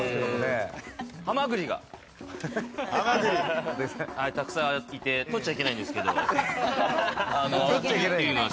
ハマグリがたくさんいて、取っちゃいけないんですけれども。